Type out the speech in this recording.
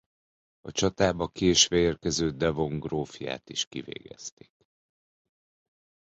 A csatába késve érkező Devon grófját is kivégezték.